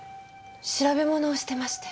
調べ物をしてまして。